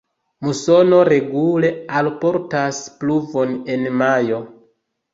Musono regule alportas pluvon en majo.